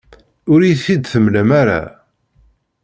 Ur iyi-t-id-temlam ara.